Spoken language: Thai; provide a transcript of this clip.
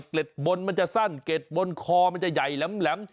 เกล็ดบนมันจะสั้นเกล็ดบนคอมันจะใหญ่แหลม